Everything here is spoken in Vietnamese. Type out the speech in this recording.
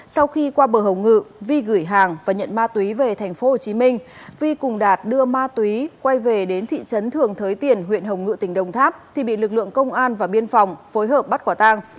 sau khi qua bờ hồng ngự vi gửi hàng và nhận ma túy về tp hcm vi cùng đạt đưa ma túy quay về đến thị trấn thường thới tiền huyện hồng ngự tỉnh đồng tháp thì bị lực lượng công an và biên phòng phối hợp bắt quả tang